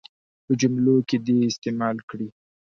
په جملو کې دې یې استعمال کړي.